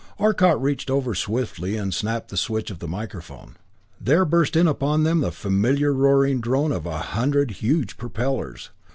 Arcot reached over swiftly and snapped the switch of the microphone. There burst in upon them the familiar roaring drone of a hundred huge propellers.